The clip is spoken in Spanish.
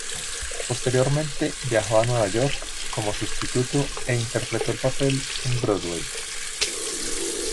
Posteriormente viajó a Nueva York como sustituto e interpretó el papel en Broadway.